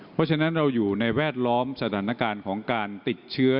เพราะฉะนั้นเราอยู่ในแวดล้อมสถานการณ์ของการติดเชื้อ